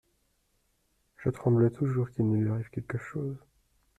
Je tremble toujours qu’il ne lui arrive quelque chose…